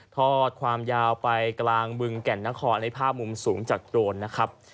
ทอดความยาวไปกลางบึงแก่นนครในภาพมุมสูงจากโดรนนะครับ